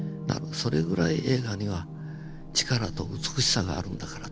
それぐらい映画には力と美しさがあるんだからと。